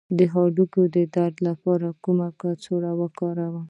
د هډوکو د درد لپاره کومه کڅوړه وکاروم؟